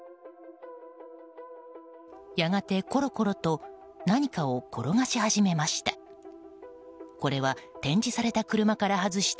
やがて、コロコロと何かを転がし始めました。